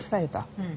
うん。